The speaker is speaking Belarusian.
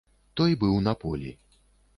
Той быў на полі.